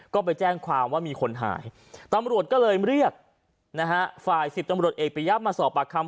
ก็ไปแจ้งความว่ามีคนหายตำรวจก็เลยเรียกนะฮะฝ่าย๑๐ตำรวจเอกปียับมาสอบปากคำ